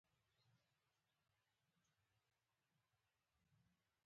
د الله لعنت دی وی په ټالبانو